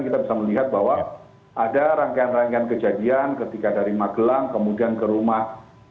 kita bisa melihat bahwa ada rangkaian rangkaian kejadian ketika dari magelang kemudian ke rumah